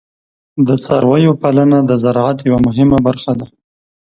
د څارویو پالنه د زراعت یوه مهمه برخه ده.